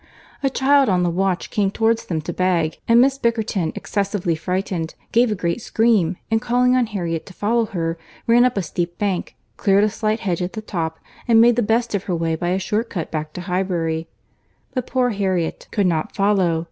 A child on the watch, came towards them to beg; and Miss Bickerton, excessively frightened, gave a great scream, and calling on Harriet to follow her, ran up a steep bank, cleared a slight hedge at the top, and made the best of her way by a short cut back to Highbury. But poor Harriet could not follow.